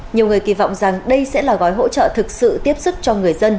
nhiều người kỳ vọng rằng đây sẽ là gói hỗ trợ thực sự tiếp sức cho người dân